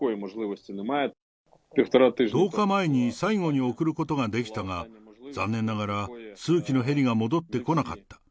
１０日前に最後に送ることができたが、残念ながら数機のヘリが戻ってこなかった。